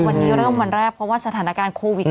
วันนี้เริ่มวันแรกเพราะว่าสถานการณ์โควิด